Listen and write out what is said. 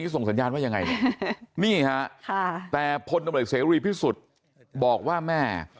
นี่ส่งสัญญาณว่ายังไงนี่ฮะแต่พลนมเสรีพิสุทธิ์บอกว่าแม่